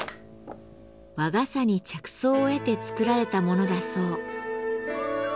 和傘に着想を得て作られたものだそう。